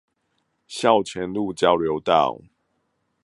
校前路交流道